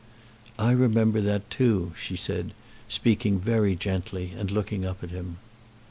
"I remember that too," she said, speaking very gently and looking up at him.